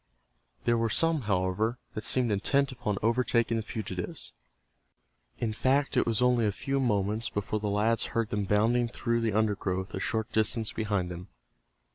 There were some, however, that seemed intent upon overtaking the fugitives. In fact it was only a few moments before the lads heard them bounding through the undergrowth a short distance behind them.